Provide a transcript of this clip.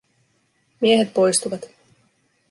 Miehet poistuvat.